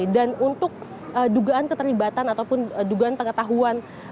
dan untuk dugaan keterlibatan ataupun dugaan pengetahuan